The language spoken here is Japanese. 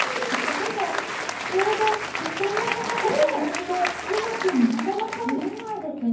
でも、ちょうど目線の高さが同じでうまく見られません。